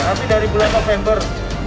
tapi dari bulan november